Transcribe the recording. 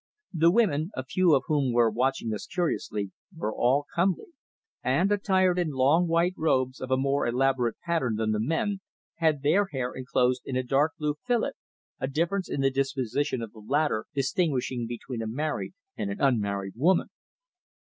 The women, a few of whom were watching us curiously, were all comely, and, attired in long white robes of a more elaborate pattern than the men, had their hair enclosed in a dark blue fillet, a difference in the disposition of the latter distinguishing between a married and an unmarried woman.